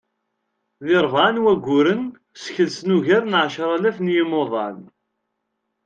Di rebɛa n wugguren, skelsen ugar n ɛecralaf n yimuḍan.